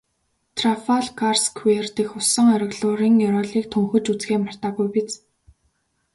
Трафальгарсквер дэх усан оргилуурын ёроолыг төнхөж үзэхээ мартаагүй биз?